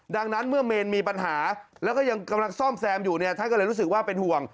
ดังนั้นเมื่อเมนมีปัญหาแล้วก็ยังกำลังซ่อมแซมอยู่เนี่ยท่านก็เลยรู้สึกว่าเป็นห่วง